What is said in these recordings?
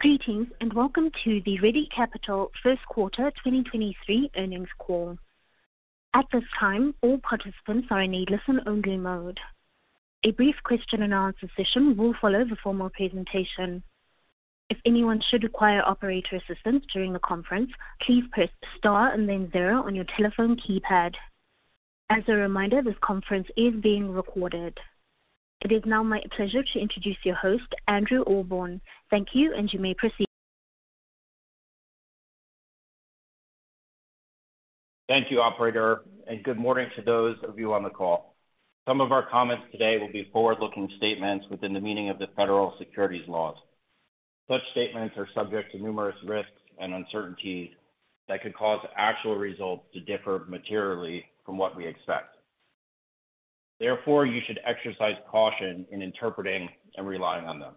Greetings, welcome to the Ready Capital first quarter 2023 earnings call. At this time, all participants are in a listen-only mode. A brief question and answer session will follow the formal presentation. If anyone should require operator assistance during the conference, please press star and then zero on your telephone keypad. As a reminder, this conference is being recorded. It is now my pleasure to introduce your host, Andrew Ahlborn. Thank you, and you may proceed. Thank you, operator, and good morning to those of you on the call. Some of our comments today will be forward-looking statements within the meaning of the Federal Securities laws. Such statements are subject to numerous risks and uncertainties that could cause actual results to differ materially from what we expect. Therefore, you should exercise caution in interpreting and relying on them.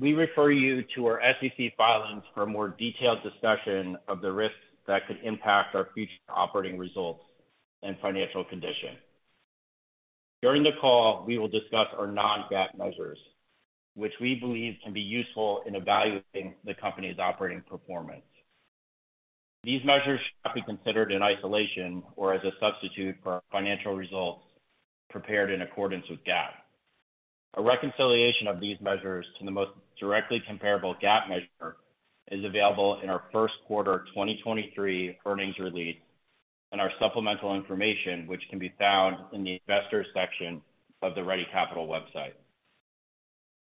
We refer you to our SEC filings for a more detailed discussion of the risks that could impact our future operating results and financial condition. During the call, we will discuss our non-GAAP measures, which we believe can be useful in evaluating the company's operating performance. These measures should not be considered in isolation or as a substitute for our financial results prepared in accordance with GAAP. A reconciliation of these measures to the most directly comparable GAAP measure is available in our first quarter 2023 earnings release and our supplemental information, which can be found in the Investors section of the Ready Capital website.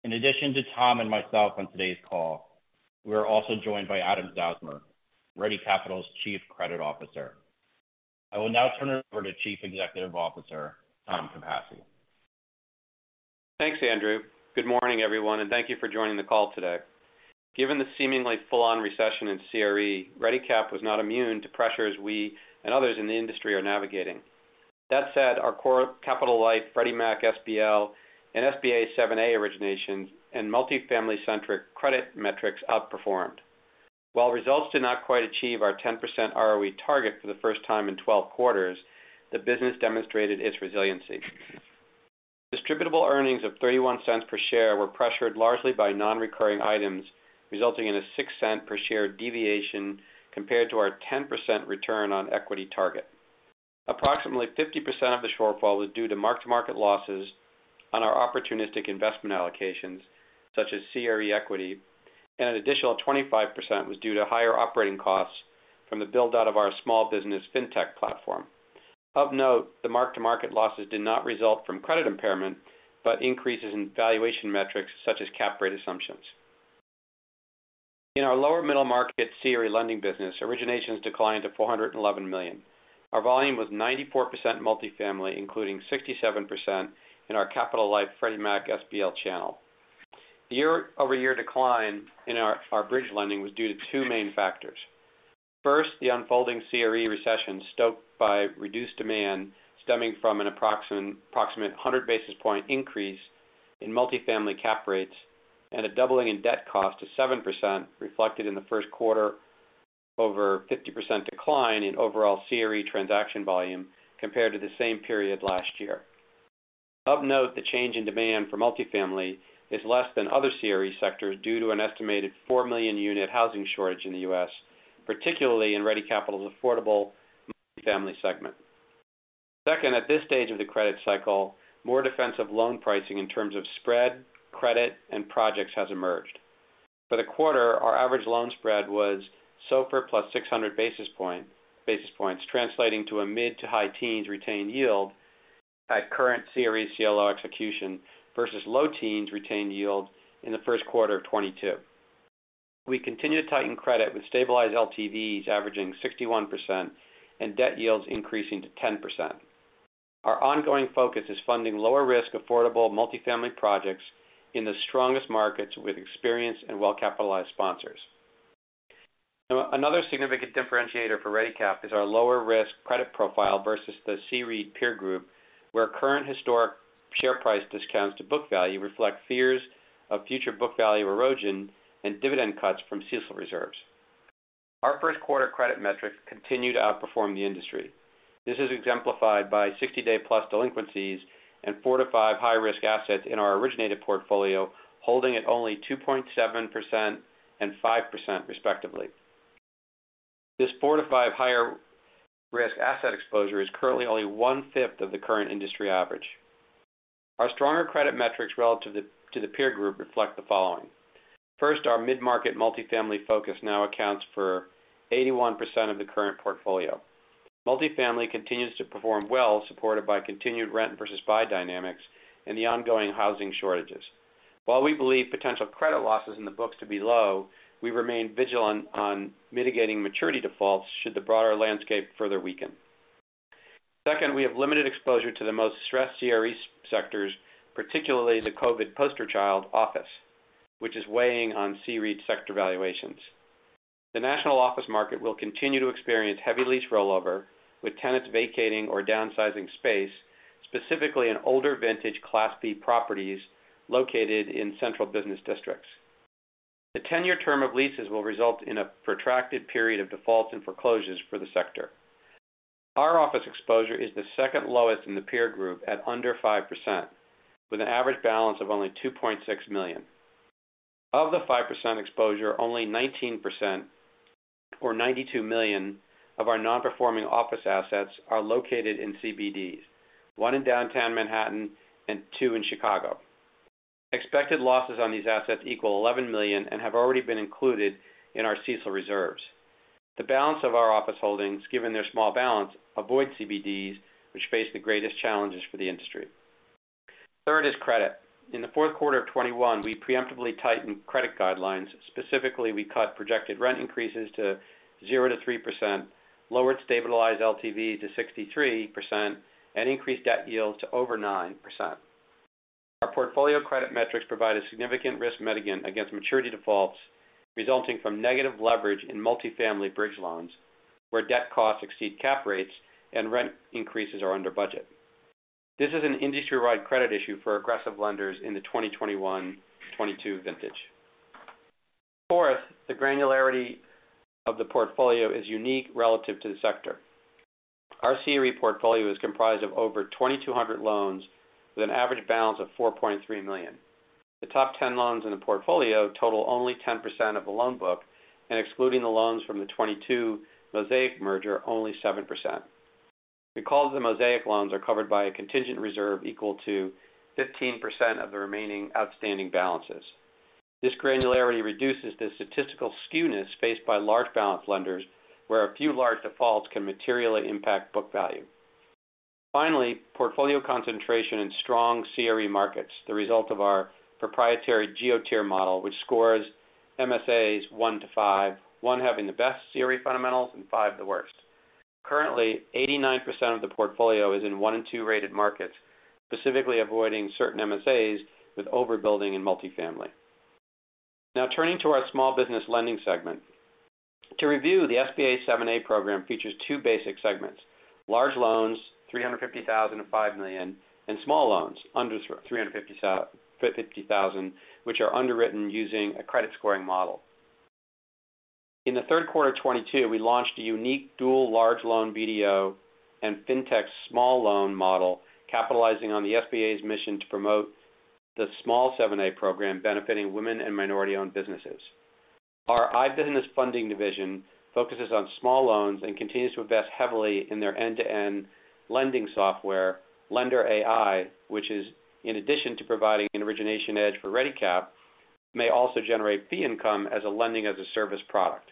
In addition to Tom and myself on today's call, we are also joined by Adam Zausmer, Ready Capital's Chief Credit Officer. I will now turn it over to Chief Executive Officer, Tom Capasse. Thanks, Andrew. Good morning, everyone, thank you for joining the call today. Given the seemingly full-on recession in CRE, Ready Capital was not immune to pressures we and others in the industry are navigating. That said, our core capital light, Freddie Mac, SBL, and SBA 7(a) originations and multifamily-centric credit metrics outperformed. While results did not quite achieve our 10% ROE target for the first time in 12 quarters, the business demonstrated its resiliency. Distributable earnings of $0.31 per share were pressured largely by non-recurring items, resulting in a $0.06 per share deviation compared to our 10% return on equity target. Approximately 50% of the shortfall was due to mark-to-market losses on our opportunistic investment allocations, such as CRE equity, and an additional 25% was due to higher operating costs from the build-out of our small business fintech platform. Of note, the mark-to-market losses did not result from credit impairment, but increases in valuation metrics such as cap rate assumptions. In our lower middle market CRE lending business, originations declined to $411 million. Our volume was 94% multifamily, including 67% in our capital light Freddie Mac SBL channel. The year-over-year decline in our bridge lending was due to two main factors. First, the unfolding CRE recession stoked by reduced demand stemming from an approximate 100 basis point increase in multifamily cap rates and a doubling in debt cost to 7% reflected in the first quarter over 50% decline in overall CRE transaction volume compared to the same period last year. Of note, the change in demand for multifamily is less than other CRE sectors due to an estimated 4 million unit housing shortage in the US, particularly in Ready Capital's affordable multifamily segment. Second, at this stage of the credit cycle, more defensive loan pricing in terms of spread, credit, and projects has emerged. For the quarter, our average loan spread was SOFR plus 600 basis points, translating to a mid to high teens retained yield at current CRE CLO execution versus low teens retained yield in the first quarter of 2022. We continue to tighten credit with stabilized LTVs averaging 61% and debt yields increasing to 10%. Our ongoing focus is funding lower risk, affordable multifamily projects in the strongest markets with experienced and well-capitalized sponsors. Another significant differentiator for Ready Capital is our lower risk credit profile versus the CRE peer group, where current historic share price discounts to book value reflect fears of future book value erosion and dividend cuts from CECL reserves. Our first quarter credit metrics continue to outperform the industry. This is exemplified by 60-day-plus delinquencies and four to five high-risk assets in our originated portfolio, holding at only 2.7% and 5% respectively. This four to five higher risk asset exposure is currently only one-fifth of the current industry average. Our stronger credit metrics relative to the peer group reflect the following. First, our mid-market multifamily focus now accounts for 81% of the current portfolio. Multifamily continues to perform well, supported by continued rent versus buy dynamics and the ongoing housing shortages. While we believe potential credit losses in the books to be low, we remain vigilant on mitigating maturity defaults should the broader landscape further weaken. Second, we have limited exposure to the most stressed CRE sectors, particularly the COVID poster child office, which is weighing on CRE sector valuations. The national office market will continue to experience heavy lease rollover, with tenants vacating or downsizing space, specifically in older vintage Class B properties located in central business districts. The 10-year term of leases will result in a protracted period of defaults and foreclosures for the sector. Our office exposure is the second lowest in the peer group at under 5%, with an average balance of only $2.6 million. Of the 5% exposure, only 19% or $92 million of our non-performing office assets are located in CBDs, one in downtown Manhattan and two in Chicago. Expected losses on these assets equal $11 million and have already been included in our CECL reserves. The balance of our office holdings, given their small balance, avoid CBDs, which face the greatest challenges for the industry. Third is credit. In the fourth quarter of 2021, we preemptively tightened credit guidelines. Specifically, we cut projected rent increases to 0%-3%, lowered stabilized LTVs to 63%, and increased debt yields to over 9%. Our portfolio credit metrics provide a significant risk mitigant against maturity defaults, resulting from negative leverage in multifamily bridge loans, where debt costs exceed cap rates and rent increases are under budget. This is an industry-wide credit issue for aggressive lenders in the 2021, 2022 vintage. Fourth, the granularity of the portfolio is unique relative to the sector. Our CRE portfolio is comprised of over 2,200 loans with an average balance of $4.3 million. The top 10 loans in the portfolio total only 10% of the loan book, and excluding the loans from the 2022 Mosaic merger, only 7%. The calls of the Mosaic loans are covered by a contingent reserve equal to 15% of the remaining outstanding balances. This granularity reduces the statistical skewness faced by large balance lenders, where a few large defaults can materially impact book value. Finally, portfolio concentration in strong CRE markets, the result of our proprietary geo-tier model, which scores MSAs 1-5, 1 having the best CRE fundamentals and five the worst. Currently, 89% of the portfolio is in one and two-rated markets, specifically avoiding certain MSAs with overbuilding in multifamily. Now turning to our small business lending segment. To review, the SBA 7(a) program features two basic segments, large loans, $350,000 to $5 million, and small loans under $350,000, which are underwritten using a credit scoring model. In the third quarter of 2022, we launched a unique dual large loan BDO and fintech small loan model capitalizing on the SBA's mission to promote the small 7(a) program benefiting women and minority-owned businesses. Our iBusiness Funding division focuses on small loans and continues to invest heavily in their end-to-end lending software, LenderAI, which is in addition to providing an origination edge for ReadyCap, may also generate fee income as a lending as a service product.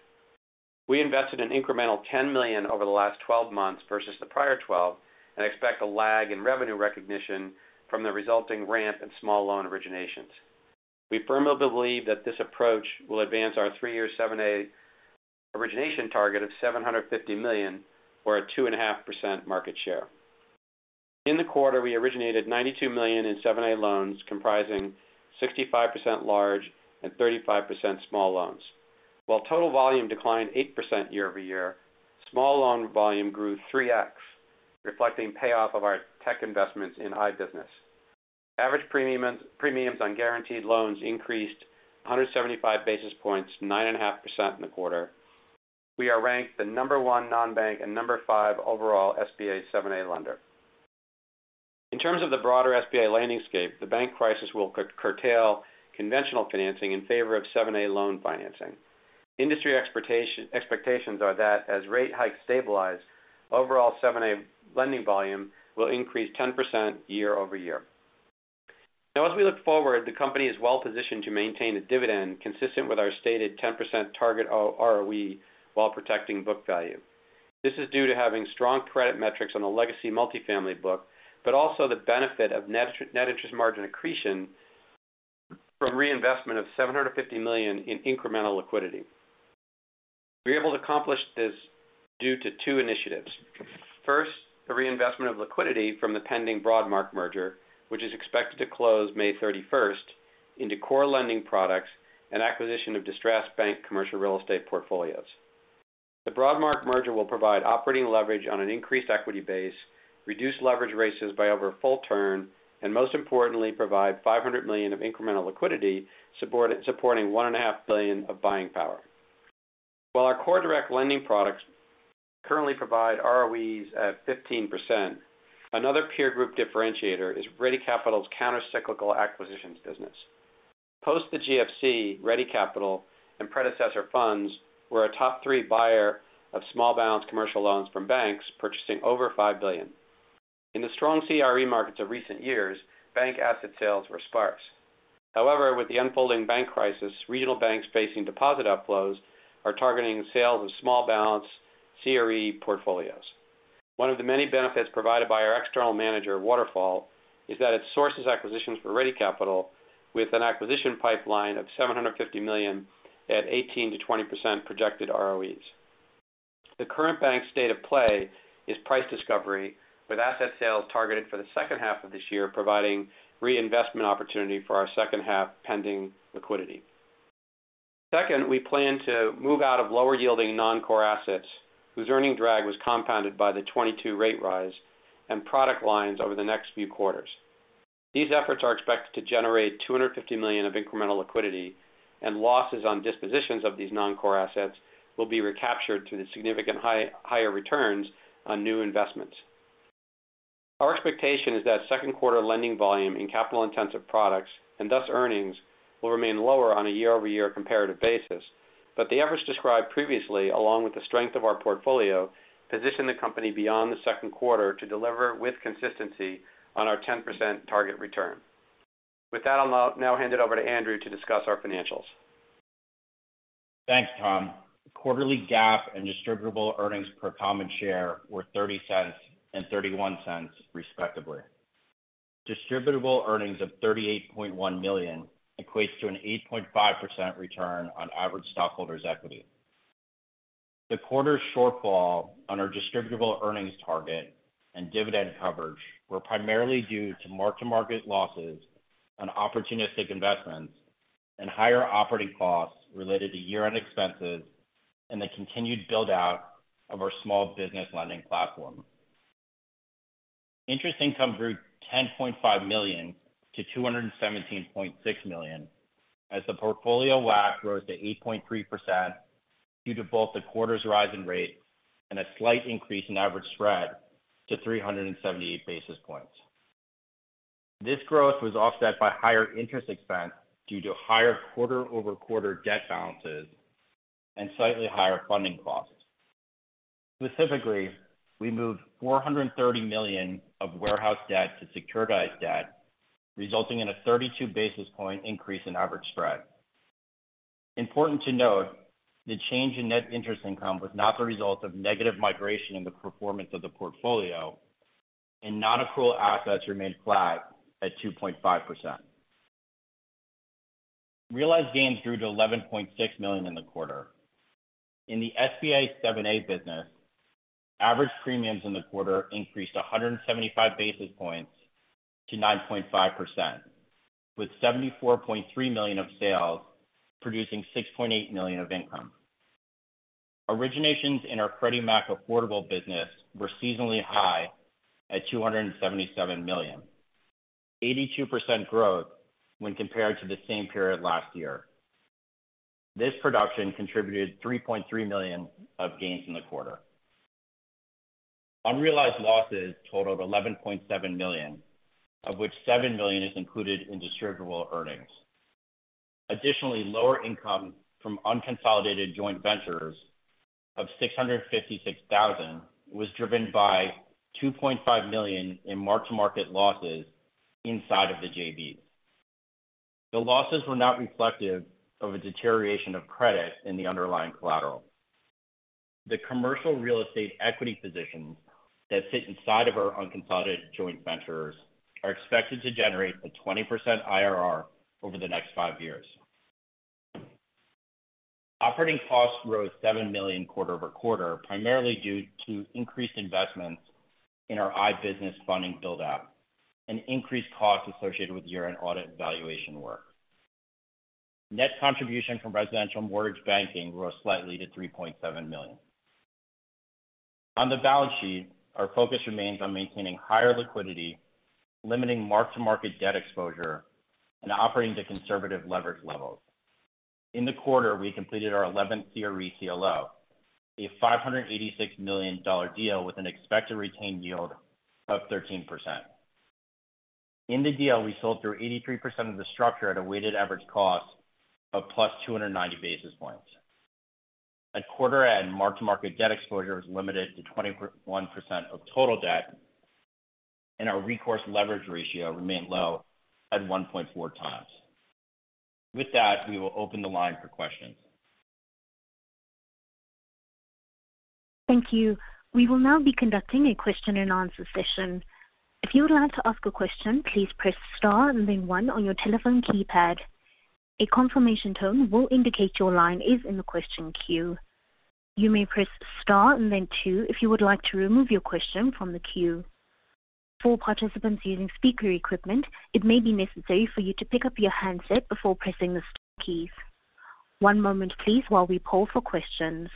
We invested an incremental $10 million over the last 12 months versus the prior 12 and expect a lag in revenue recognition from the resulting ramp in small loan originations. We firmly believe that this approach will advance our three-year SBA 7(a) origination target of $750 million or a 2.5% market share. In the quarter, we originated $92 million in SBA 7(a) loans comprising 65% large and 35% small loans. While total volume declined 8% year-over-year, small loan volume grew 3x, reflecting payoff of our tech investments in iBusiness. Average premiums on guaranteed loans increased 175 basis points, 9.5% in the quarter. We are ranked the number one non-bank and number five overall SBA 7(a) lender. In terms of the broader SBA lending scape, the bank crisis will curtail conventional financing in favor of SBA 7(a) loan financing. Industry expectations are that as rate hikes stabilize, overall SBA 7(a) lending volume will increase 10% year-over-year. As we look forward, the company is well-positioned to maintain a dividend consistent with our stated 10% target or ROE while protecting book value. This is due to having strong credit metrics on the legacy multifamily book, but also the benefit of net interest margin accretion from reinvestment of $750 million in incremental liquidity. We're able to accomplish this due to two initiatives. First, a reinvestment of liquidity from the pending Broadmark merger, which is expected to close May 31st into core lending products and acquisition of distressed bank commercial real estate portfolios. The Broadmark merger will provide operating leverage on an increased equity base, reduce leverage ratios by over a full turn, and most importantly, provide $500 million of incremental liquidity support, supporting $1.5 billion of buying power. While our core direct lending products currently provide ROEs at 15%, another peer group differentiator is Ready Capital's counter-cyclical acquisitions business. Post the GFC, Ready Capital and predecessor funds were a top three buyer of small balance commercial loans from banks, purchasing over $5 billion. In the strong CRE markets of recent years, bank asset sales were sparse. However, with the unfolding bank crisis, regional banks facing deposit outflows are targeting sales of small balance CRE portfolios. One of the many benefits provided by our external manager, Waterfall, is that it sources acquisitions for Ready Capital with an acquisition pipeline of $750 million at 18%-20% projected ROEs. The current bank state of play is price discovery, with asset sales targeted for the second half of this year, providing reinvestment opportunity for our second half pending liquidity. Second, we plan to move out of lower yielding non-core assets whose earning drag was compounded by the 22 rate rise and product lines over the next few quarters. These efforts are expected to generate $250 million of incremental liquidity and losses on dispositions of these non-core assets will be recaptured through the significant higher returns on new investments. Our expectation is that second quarter lending volume in capital intensive products, and thus earnings, will remain lower on a year-over-year comparative basis. The efforts described previously, along with the strength of our portfolio, position the company beyond the second quarter to deliver with consistency on our 10% target return. With that, I'll now hand it over to Andrew to discuss our financials. Thanks, Tom. Quarterly GAAP and distributable earnings per common share were $0.30 and $0.31, respectively. Distributable earnings of $38.1 million equates to an 8.5% return on average stockholders' equity. The quarter's shortfall on our distributable earnings target and dividend coverage were primarily due to mark-to-market losses on opportunistic investments and higher operating costs related to year-end expenses and the continued build-out of our small business lending platform. Interest income grew $10.5 million to $217.6 million as the portfolio WAC rose to 8.3% due to both the quarter's rise in rate and a slight increase in average spread to 378 basis points. This growth was offset by higher interest expense due to higher quarter-over-quarter debt balances and slightly higher funding costs. Specifically, we moved $430 million of warehouse debt to securitized debt, resulting in a 32 basis point increase in average spread. Important to note, the change in net interest income was not the result of negative migration in the performance of the portfolio and non-accrual assets remained flat at 2.5%. Realized gains grew to $11.6 million in the quarter. In the SBA 7(a) business, average premiums in the quarter increased 175 basis points to 9.5% with $74.3 million of sales, producing $6.8 million of income. Originations in our Freddie Mac Affordable business were seasonally high at $277 million. 82% growth when compared to the same period last year. This production contributed $3.3 million of gains in the quarter. Unrealized losses totaled $11.7 million, of which $7 million is included in distributable earnings. Additionally, lower income from unconsolidated joint ventures of $656,000 was driven by $2.5 million in mark-to-market losses inside of the JVs. The losses were not reflective of a deterioration of credit in the underlying collateral. The commercial real estate equity positions that sit inside of our unconsolidated joint ventures are expected to generate a 20% IRR over the next 5 years. Operating costs rose $7 million quarter-over-quarter, primarily due to increased investments in our iBusiness Funding build-out and increased costs associated with year-end audit valuation work. Net contribution from residential mortgage banking grew slightly to $3.7 million. On the balance sheet, our focus remains on maintaining higher liquidity, limiting mark-to-market debt exposure, and operating to conservative leverage levels. In the quarter, we completed our 11th CRE CLO, a $586 million deal with an expected retained yield of 13%. In the deal, we sold through 83% of the structure at a weighted average cost of +290 basis points. At quarter end, mark-to-market debt exposure was limited to 21% of total debt. Our recourse leverage ratio remained low at 1.4 times. With that, we will open the line for questions. Thank you. We will now be conducting a question and answer session. If you would like to ask a question, please press star and then one on your telephone keypad. A confirmation tone will indicate your line is in the question queue. You may press star and then two if you would like to remove your question from the queue. For participants using speaker equipment, it may be necessary for you to pick up your handset before pressing the star keys. One moment please while we pull for questions.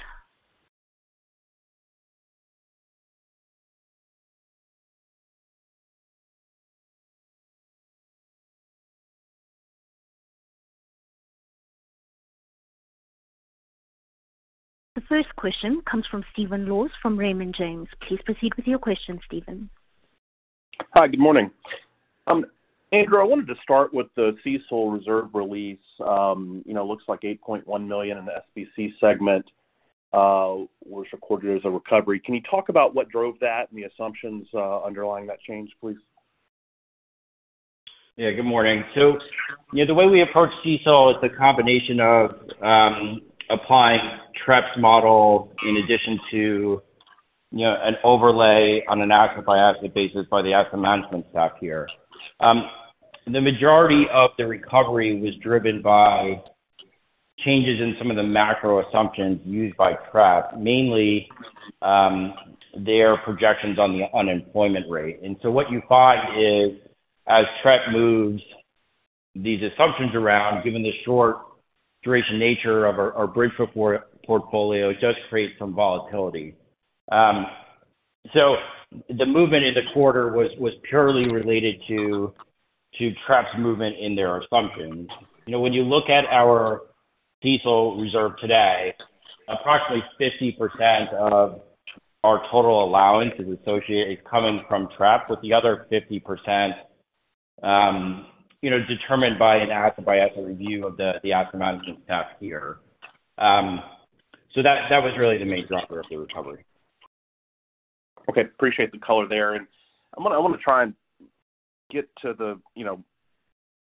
The first question comes from Stephen Laws from Raymond James. Please proceed with your question, Stephen. Hi, good morning. Andrew, I wanted to start with the CECL reserve release. You know, it looks like $8.1 million in the SBC segment was recorded as a recovery. Can you talk about what drove that and the assumptions underlying that change, please? Yeah, good morning. Yeah, the way we approach CECL is the combination of applying Trepp's model in addition to, you know, an overlay on an asset-by-asset basis by the asset management staff here. The majority of the recovery was driven by changes in some of the macro assumptions used by Trepp's, mainly their projections on the unemployment rate. What you bought is, as Trepp's moved these assumptions around given the short duration nature of our bridge portfolio does create some volatility. The movement in the quarter was purely related to Trepp's movement in their assumptions. You know, when you look at our CECL reserve today, approximately 50% of our total allowance is coming from Trepp's, with the other 50%, you know, determined by an asset-by-asset review of the asset management staff here. That was really the main driver of the recovery. Okay. Appreciate the color there. I wanna try and get to the, you know,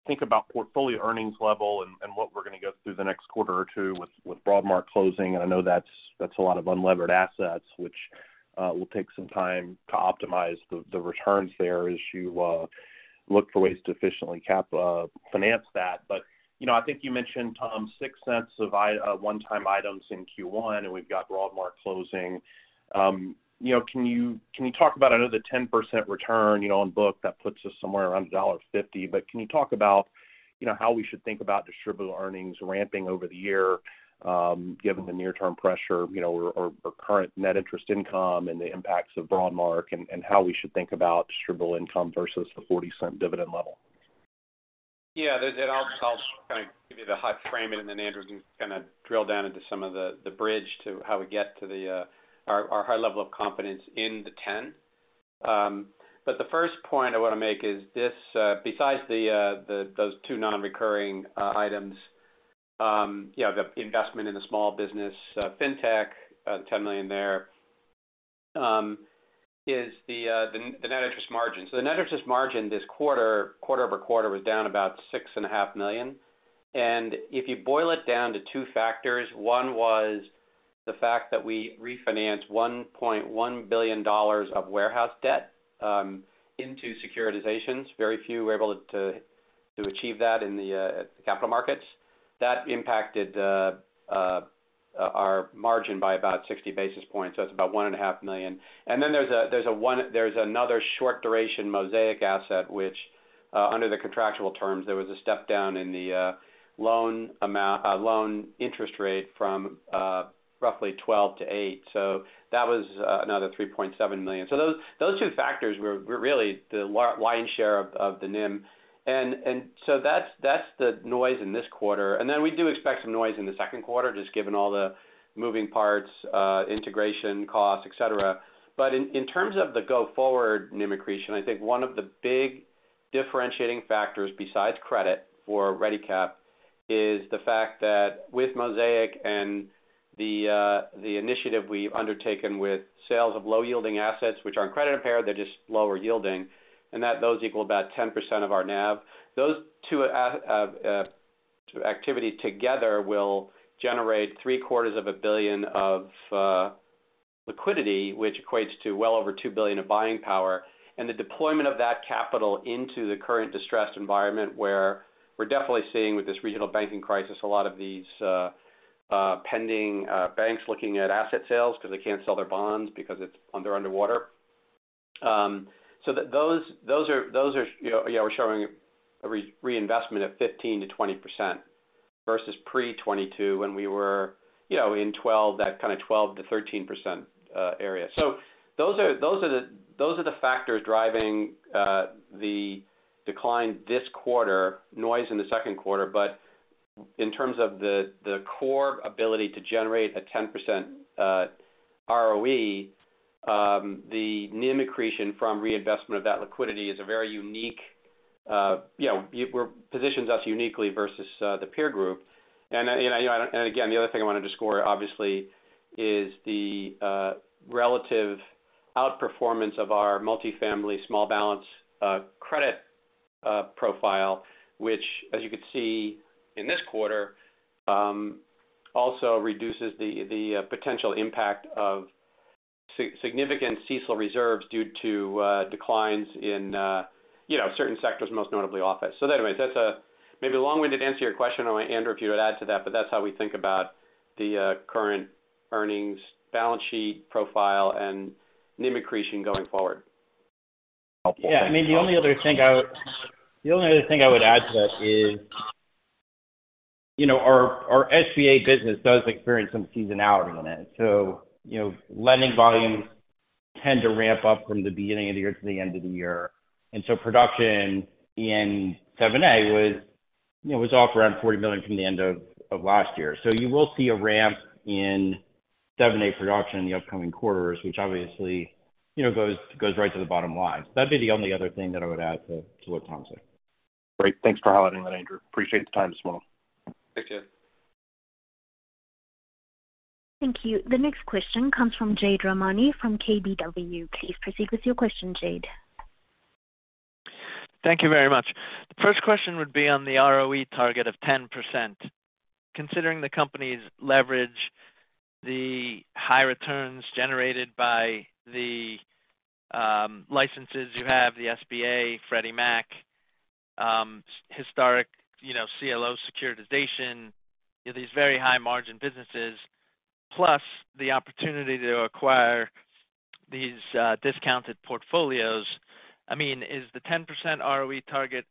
think about portfolio earnings level and what we're gonna go through the next quarter or two with Broadmark closing. I know that's a lot of unlevered assets, which will take some time to optimize the returns there as you look for ways to efficiently cap finance that. You know, I think you mentioned, Tom, $0.06 of one-time items in Q1, and we've got Broadmark closing. You know, can you talk about another 10% return, you know, on book that puts us somewhere around $1.50. Can you talk about, you know, how we should think about distributable earnings ramping over the year, given the near-term pressure, you know, or current net interest income and the impacts of Broadmark and how we should think about distributable income versus the $0.40 dividend level? Yeah. I'll kind of give you the high frame, then Andrew can kind of drill down into some of the bridge to how we get to our high level of confidence in the 10. The first point I want to make is this, besides those two non-recurring items, you know, the investment in the small business fintech, $10 million there, is the net interest margin. The net interest margin this quarter-over-quarter was down about $6.5 million. If you boil it down to two factors, one was the fact that we refinanced $1.1 billion of warehouse debt into securitizations. Very few were able to achieve that in the capital markets. That impacted the our margin by about 60 basis points. That's about $1.5 million. Then there's another short duration Mosaic asset which under the contractual terms there was a step down in the loan amount loan interest rate from roughly 12-8. That was another $3.7 million. Those two factors were really the lion's share of the NIM. That's the noise in this quarter. Then we do expect some noise in the second quarter, just given all the moving parts, integration costs, et cetera. in terms of the go-forward NIM accretion, I think one of the big differentiating factors besides credit for ReadyCap is the fact that with Mosaic and the initiative we've undertaken with sales of low yielding assets, which aren't credit impaired, they're just lower yielding, and that those equal about 10% of our NAV. Those two activity together will generate three-quarters of a billion of liquidity, which equates to well over $2 billion of buying power. The deployment of that capital into the current distressed environment where we're definitely seeing with this regional banking crisis, a lot of these pending banks looking at asset sales because they can't sell their bonds because it's underwater. those are, you know, yeah, we're showing a reinvestment of 15%-20% versus pre-2022 when we were, you know, in 12, that kind of 12%-13% area. those are the factors driving the decline this quarter, noise in the second quarter. In terms of the core ability to generate a 10% ROE, the NIM accretion from reinvestment of that liquidity is a very unique, you know, it positions us uniquely versus the peer group. You know, again, the other thing I wanted to score obviously is the relative outperformance of our multifamily small balance credit profile which as you could see in this quarter, also reduces the potential impact of significant CECL reserves due to declines in, you know, certain sectors, most notably office. Anyways, that's a maybe a long-winded answer to your question. I want Andrew if you add to that, but that's how we think about the current earnings balance sheet profile and NIM accretion going forward. Yeah. I mean, the only other thing I would add to that is, you know, our SBA business does experience some seasonality in it. You know, lending volumes tend to ramp up from the beginning of the year to the end of the year. Production in 7(a) was, you know, off around $40 million from the end of last year. You will see a ramp in 7(a) production in the upcoming quarters, which obviously, you know, goes right to the bottom line. That'd be the only other thing that I would add to what Tom said. Great. Thanks for highlighting that, Andrew. Appreciate the time this morning. Thank you. Thank you. The next question comes from Jade Rahmani from KBW. Please proceed with your question, Jade. Thank you very much. The first question would be on the ROE target of 10%. Considering the company's leverage, the high returns generated by the licenses you have, the SBA, Freddie Mac, historic, you know, CLO securitization, these very high margin businesses, plus the opportunity to acquire these discounted portfolios. I mean, is the 10% ROE target,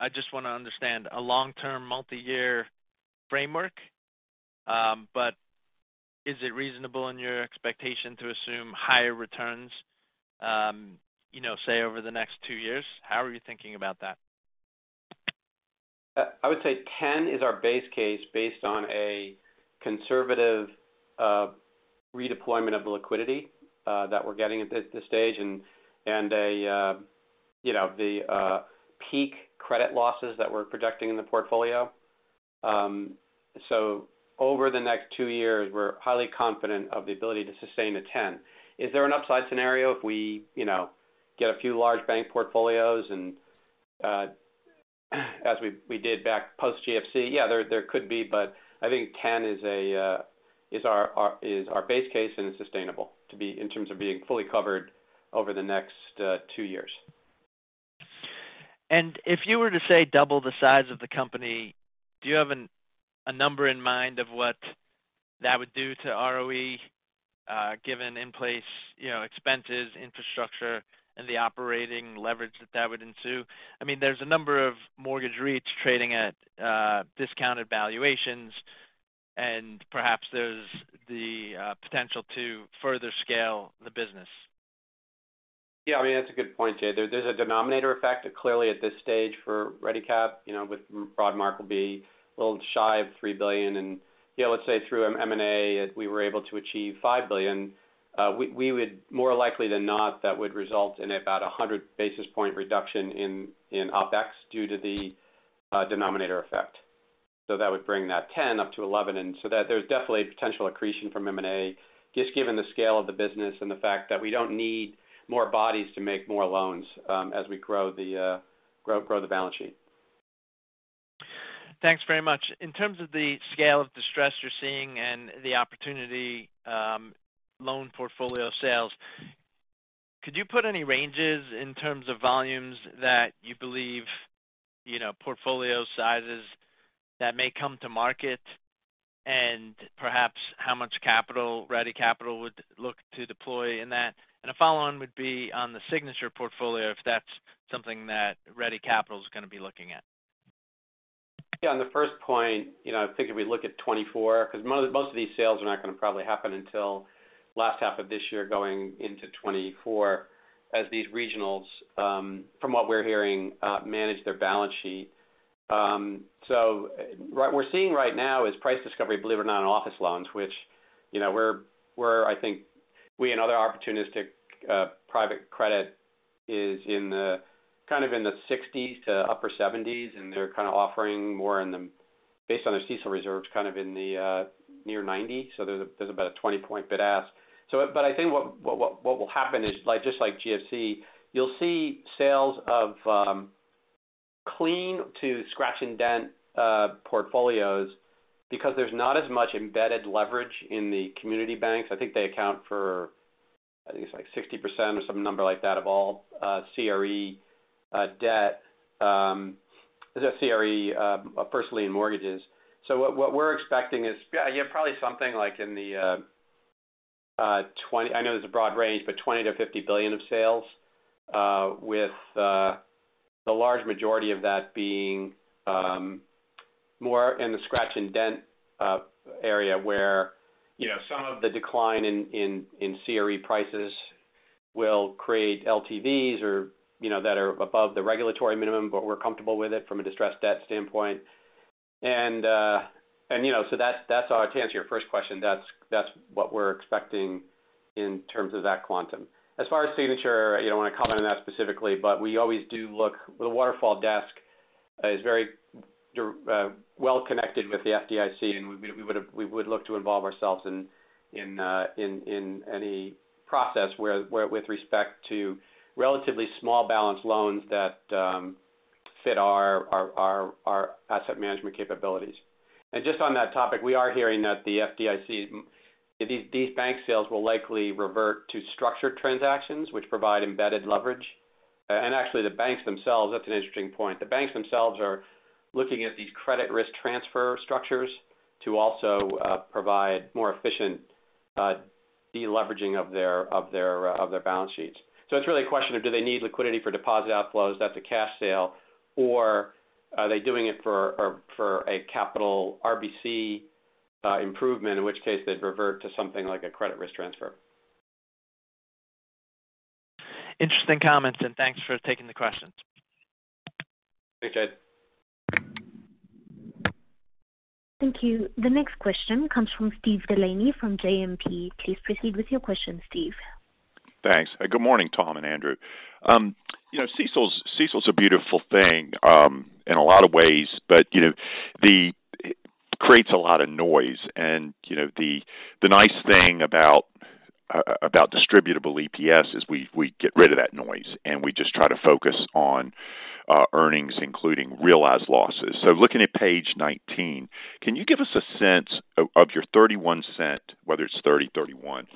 I just wanna understand, a long-term multi-year framework? Is it reasonable in your expectation to assume higher returns, you know, say, over the next 2 years? How are you thinking about that? I would say 10 is our base case based on a conservative redeployment of the liquidity that we're getting at this stage and, you know, the peak credit losses that we're projecting in the portfolio. Over the next 2 years, we're highly confident of the ability to sustain the 10. Is there an upside scenario if we, you know, get a few large bank portfolios and as we did back post GFC? There could be, but I think 10 is our base case, and it's sustainable in terms of being fully covered over the next 2 years. If you were to, say, double the size of the company, do you have a number in mind of what that would do to ROE, given in place, you know, expenses, infrastructure, and the operating leverage that that would ensue? I mean, there's a number of mortgage REITs trading at discounted valuations, and perhaps there's the potential to further scale the business. Yeah. I mean, that's a good point, Ted. There's a denominator effect clearly at this stage for ReadyCap, you know, with Broadmark will be a little shy of $3 billion. Yeah, let's say through M&A, if we were able to achieve $5 billion, we would more likely than not, that would result in about a 100 basis point reduction in OpEx due to the denominator effect. That would bring that 10 up to 11. There's definitely potential accretion from M&A, just given the scale of the business and the fact that we don't need more bodies to make more loans, as we grow the balance sheet. Thanks very much. In terms of the scale of distress you're seeing and the opportunity, loan portfolio sales, could you put any ranges in terms of volumes that you believe, you know, portfolio sizes that may come to market and perhaps how much capital Ready Capital would look to deploy in that? A follow-on would be on the Signature portfolio, if that's something that Ready Capital is gonna be looking at? Yeah. On the first point, you know, I think if we look at 2024, 'cause most of these sales are not gonna probably happen until last half of this year going into 2024 as these regionals, from what we're hearing, manage their balance sheet. We're seeing right now is price discovery, believe it or not, on office loans, which, you know, we're I think we and other opportunistic private credit is in the kind of in the 60s to upper 70s, and they're kinda offering more in them based on their CECL reserves, kind of in the near 90. There's about a 20-point bid ask. I think what will happen is like, just like GFC, you'll see sales of clean to scratch-and-dent portfolios because there's not as much embedded leverage in the community banks. I think they account for, I think it's like 60% or some number like that of all CRE debt, the CRE personally in mortgages. What we're expecting is probably something like in the $20 billion-$50 billion of sales with the large majority of that being more in the scratch-and-dent area where, you know, some of the decline in CRE prices will create LTVs or, you know, that are above the regulatory minimum, but we're comfortable with it from a distressed debt standpoint. You know, that's how to answer your first question. That's what we're expecting in terms of that quantum. As far as Signature Bank, I don't want to comment on that specifically, but we always do look. The Waterfall desk is very well connected with the FDIC, and we would look to involve ourselves in any process with respect to relatively small balance loans that fit our asset management capabilities. Just on that topic, we are hearing that the FDIC, these bank sales will likely revert to structured transactions which provide embedded leverage. Actually the banks themselves, that's an interesting point. The banks themselves are looking at these credit risk transfer structures to also provide more efficient deleveraging of their balance sheets. It's really a question of do they need liquidity for deposit outflows, that's a cash sale, or are they doing it for a capital RBC improvement, in which case they'd revert to something like a credit risk transfer. Interesting comments. Thanks for taking the questions. Thanks, Jade. Thank you. The next question comes from Steve DeLaney from JMP. Please proceed with your question, Steve. Thanks. Good morning, Tom and Andrew. You know, CECL's a beautiful thing, in a lot of ways, but, you know, it creates a lot of noise. You know, the nice thing about distributable EPS is we get rid of that noise, and we just try to focus on earnings, including realized losses. Looking at page 19, can you give us a sense of your $0.31, whether it's 30, 31,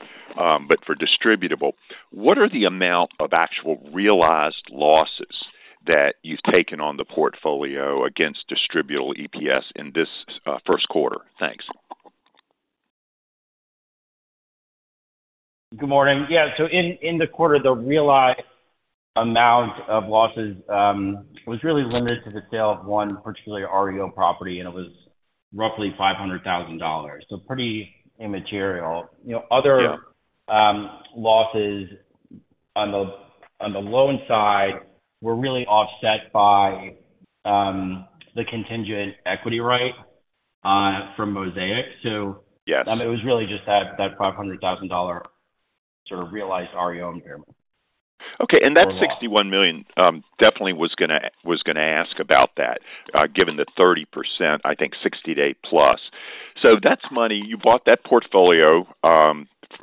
but for distributable, what are the amount of actual realized losses that you've taken on the portfolio against distributable EPS in this first quarter? Thanks. Good morning. Yeah. In the quarter, the realized amount of losses was really limited to the sale of one particular REO property. It was roughly $500,000. Pretty immaterial. You know. Yeah. Losses on the, on the loan side were really offset by, the contingent equity right, from Mosaic. Yes. it was really just that $500,000 sort of realized REO impairment. Okay. That $61 million, definitely was gonna ask about that, given the 30%, I think 68+. That's money. You bought that portfolio,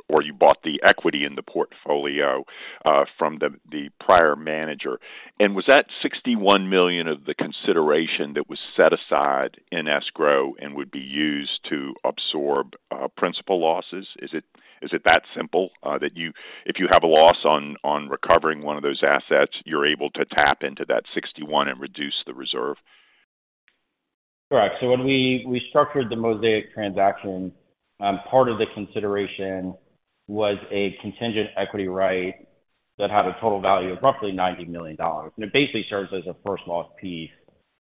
or you bought the equity in the portfolio, from the prior manager. Was that $61 million of the consideration that was set aside in escrow and would be used to absorb principal losses? Is it that simple, that if you have a loss on recovering one of those assets, you're able to tap into that $61 million and reduce the reserve? Correct. When we structured the Mosaic transaction, part of the consideration was a contingent equity right that had a total value of roughly $90 million. It basically serves as a first loss piece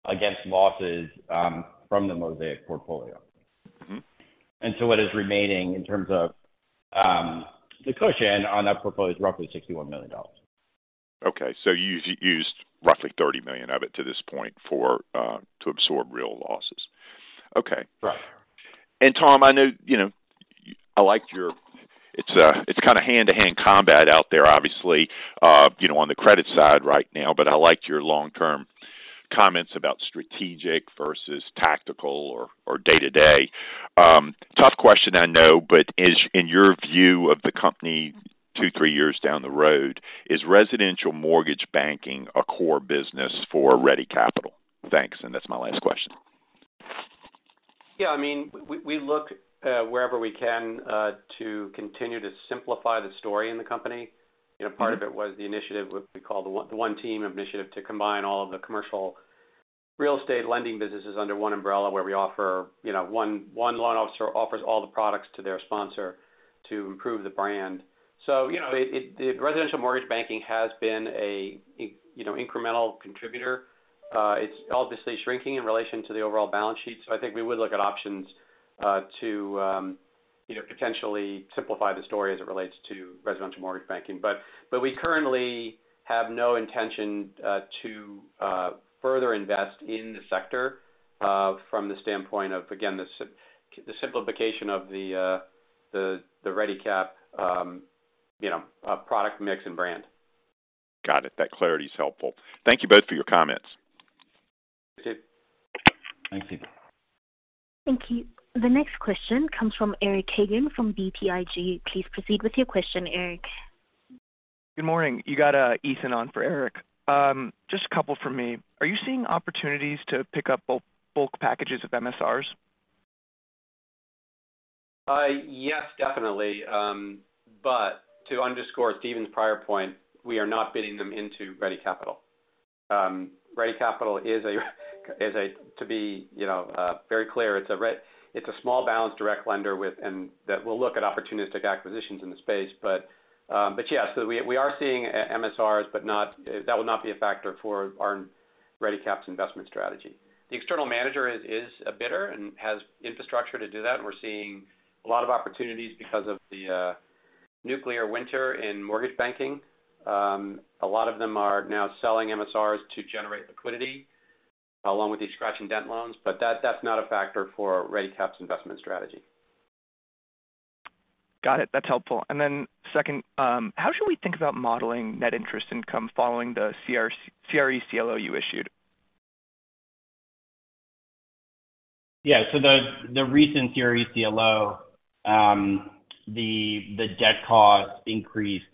against losses from the Mosaic portfolio. Mm-hmm. What is remaining in terms of the cushion on that portfolio is roughly $61 million. Okay. You used roughly $30 million of it to this point for to absorb real losses. Okay. Right. Tom, I know, you know, It's, it's kind of hand-to-hand combat out there, obviously, you know, on the credit side right now. I liked your long-term comments about strategic versus tactical or day-to-day. Tough question I know, but is, in your view of the company two, three years down the road, is residential mortgage banking a core business for Ready Capital? Thanks. That's my last question. Yeah. I mean, we look wherever we can to continue to simplify the story in the company. You know, part of it was the initiative what we call the One Team initiative to combine all of the commercial real estate lending businesses under one umbrella, where we offer, you know, one loan officer offers all the products to their sponsor to improve the brand. You know, residential mortgage banking has been a incremental contributor. It's obviously shrinking in relation to the overall balance sheet. I think we would look at options to, you know, potentially simplify the story as it relates to residential mortgage banking. We currently have no intention to further invest in the sector from the standpoint of, again, the simplification of the ReadyCap, you know, product mix and brand. Got it. That clarity is helpful. Thank you both for your comments. Thanks, Steve. Thanks, Steve. Thank you. The next question comes from Eric Hagen from BTIG. Please proceed with your question, Eric. Good morning. You got Ethan on for Eric. Just a couple from me. Are you seeing opportunities to pick up bulk packages of MSRs? Yes, definitely. To underscore Stephen's prior point, we are not bidding them into Ready Capital. Ready Capital is a to be, you know, very clear, it's a small balance direct lender that will look at opportunistic acquisitions in the space. Yeah. We are seeing MSRs, that would not be a factor for our Ready Capital's investment strategy. The external manager is a bidder and has infrastructure to do that. We're seeing a lot of opportunities because of the nuclear winter in mortgage banking. A lot of them are now selling MSRs to generate liquidity along with the scratch and dent loans, that's not a factor for Ready Capital's investment strategy. Got it. That's helpful. Second, how should we think about modeling net interest income following the CRE CLO you issued? Yeah. The recent CRE CLO, the debt cost increased,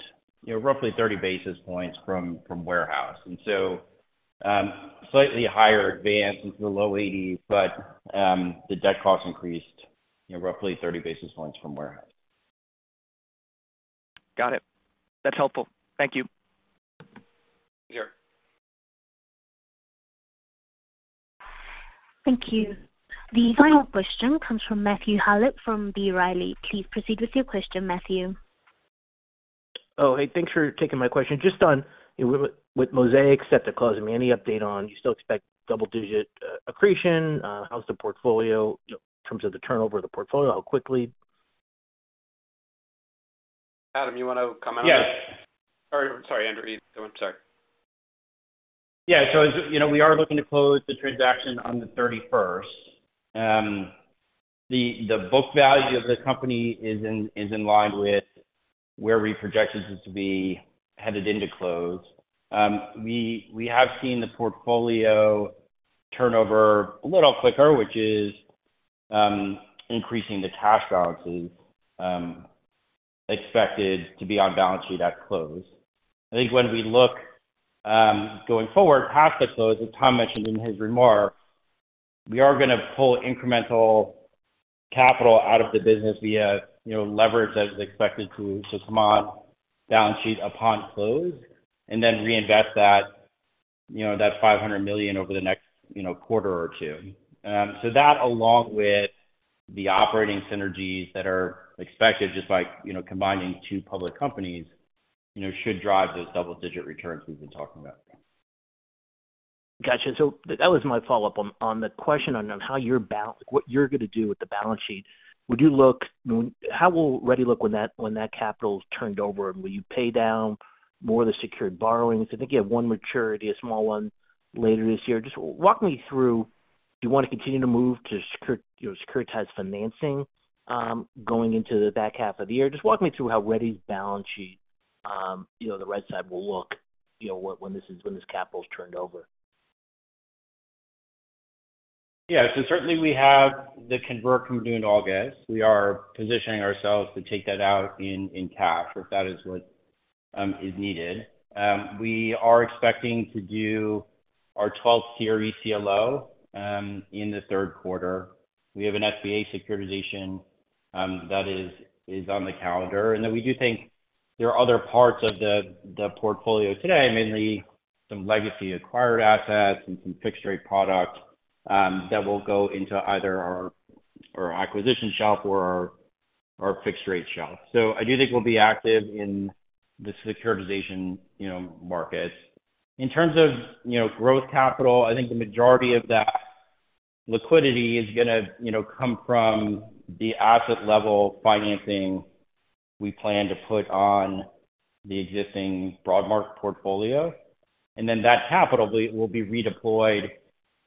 you know, roughly 30 basis points from warehouse. Slightly higher advance into the low 80, but, the debt cost increased, you know, roughly 30 basis points from warehouse. Got it. That's helpful. Thank you. Sure. Thank you. The final question comes from Matt Howlett from B. Riley. Please proceed with your question, Matthew. Oh, hey, thanks for taking my question. Just on, you know, with Mosaic set to close, I mean, any update on you still expect double-digit accretion? How's the portfolio, you know, in terms of the turnover of the portfolio, how quickly? Adam, you wanna comment on this? Yes. sorry, Andrew, you go. I'm sorry. Yeah. you know, we are looking to close the transaction on the 31st. The book value of the company is in line with where we projected it to be headed into close. We have seen the portfolio turnover a little quicker, which is increasing the cash balances expected to be on balance sheet at close. I think when we look going forward past the close, as Tom mentioned in his remarks. We are gonna pull incremental capital out of the business via, you know, leverage that is expected to come on balance sheet upon close and then reinvest that, you know, that $500 million over the next, you know, quarter or two. That along with the operating synergies that are expected just by, you know, combining two public companies, you know, should drive those double-digit returns we've been talking about. Got you. That was my follow-up on the question on how your what you're gonna do with the balance sheet. How will Ready look when that, when that capital's turned over? Will you pay down more of the secured borrowings? I think you have one maturity, a small one later this year. Just walk me through. Do you wanna continue to move to you know, securitized financing, going into the back half of the year? Just walk me through how Ready's balance sheet, you know, the right side will look, you know, when this is, when this capital is turned over. Yeah. Certainly we have the convert coming due in August. We are positioning ourselves to take that out in cash if that is what is needed. We are expecting to do our 12th CRE CLO in the third quarter. We have an SBA securitization that is on the calendar. We do think there are other parts of the portfolio today, mainly some legacy acquired assets and some fixed rate product that will go into either our acquisition shop or our fixed rate shop. I do think we'll be active in the securitization, you know, market. In terms of, you know, growth capital, I think the majority of that liquidity is gonna, you know, come from the asset level financing we plan to put on the existing Broadmark portfolio. That capital will be redeployed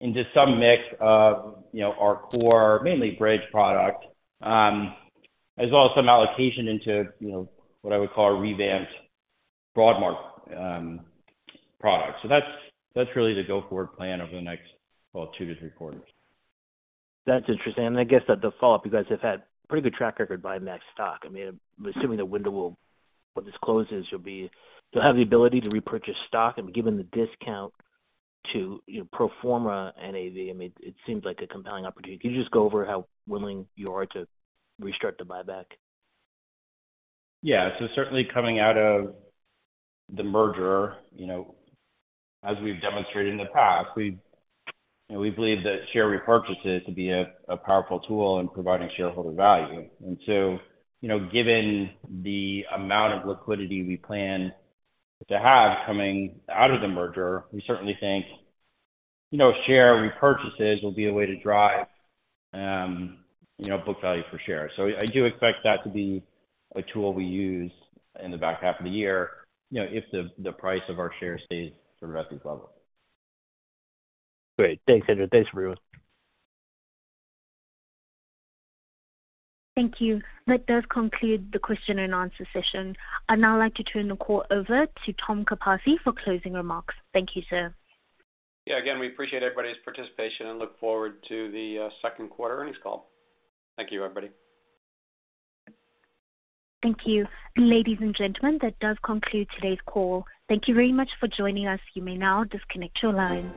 into some mix of, you know, our core, mainly bridge product, as well as some allocation into, you know, what I would call a revamped Broadmark product. That's really the go-forward plan over the next, well, two to three quarters. That's interesting. I guess the follow-up, you guys have had pretty good track record buying back stock. I mean, I'm assuming the window will, when this closes, you'll have the ability to repurchase stock. Given the discount to, you know, pro forma NAV, I mean, it seems like a compelling opportunity. Can you just go over how willing you are to restart the buyback? Yeah. Certainly coming out of the merger, you know, as we've demonstrated in the past, we, you know, we believe that share repurchases to be a powerful tool in providing shareholder value. Given, you know, the amount of liquidity we plan to have coming out of the merger, we certainly think, you know, share repurchases will be a way to drive, you know, book value per share. I do expect that to be a tool we use in the back half of the year, you know, if the price of our shares stays sort of at this level. Great. Thanks, Andrew. Thanks, everyone. Thank you. That does conclude the question and answer session. I'd now like to turn the call over to Tom Capasse for closing remarks. Thank you, sir. Yeah, again, we appreciate everybody's participation and look forward to the second quarter earnings call. Thank you, everybody. Thank you. Ladies and gentlemen, that does conclude today's call. Thank you very much for joining us. You may now disconnect your lines.